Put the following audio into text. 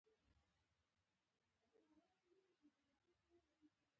تنهایې مې په ځوانۍ کې نه ځائیږې